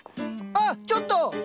あっちょっと！